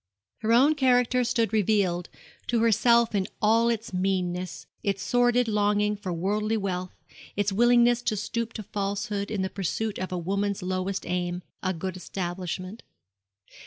Her own character stood revealed to herself in all its meanness its sordid longing for worldly wealth its willingness to stoop to falsehood in the pursuit of a woman's lowest aim, a good establishment.